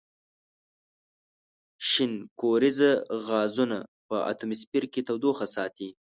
شینکوریزه غازونه په اتموسفیر کې تودوخه ساتي.